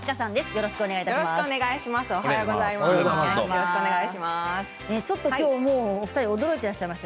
よろしくお願いします。